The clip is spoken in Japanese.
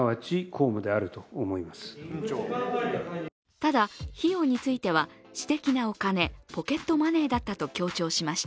ただ、費用については私的なお金、ポケットマネーだったと強調しました。